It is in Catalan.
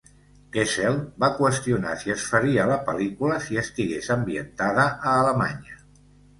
Kessel va qüestionar si es faria la pel·lícula si estigués ambientada a Alemanya.